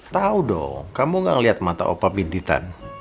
tau dong kamu ga liat mata opa pinditan